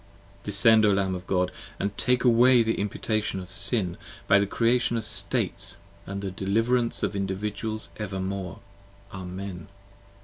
Descend, O Lamb of God, & take away the imputation of Sin By the Creation of States & the deliverance of Individuals Evermore. Amen.